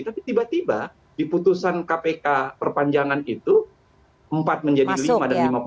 tapi tiba tiba di putusan kpk perpanjangan itu empat menjadi lima dan lima puluh